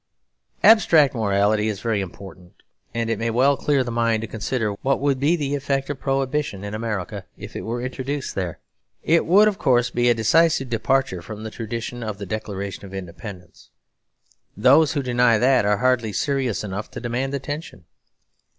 Abstract morality is very important; and it may well clear the mind to consider what would be the effect of Prohibition in America, if it were introduced there. It would, of course, be a decisive departure from the tradition of the Declaration of Independence. Those who deny that are hardly serious enough to demand attention.